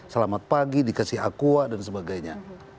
selamat pagi dikasih aqua dan sebagainya